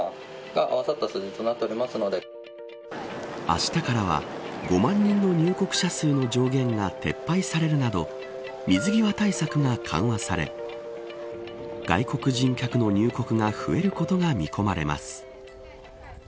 あしたからは５万人の入国者数の上限が撤廃されるなど水際対策が緩和され外国人客の入国が増えることが見込まれます。